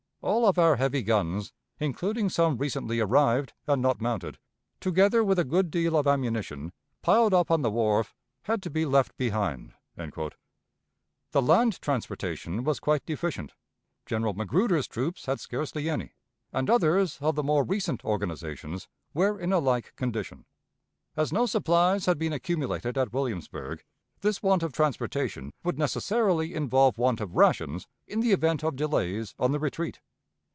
All of our heavy guns, including some recently arrived and not mounted, together with a good deal of ammunition piled up on the wharf, had to be left behind." The land transportation was quite deficient. General Magruder's troops had scarcely any, and others of the more recent organizations were in a like condition; as no supplies had been accumulated at Williamsburg, this want of transportation would necessarily involve want of rations in the event of delays on the retreat.